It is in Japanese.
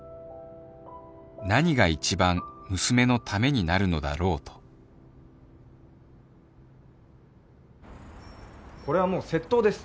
何が一番娘のためになるのだろうとこれはもう窃盗です。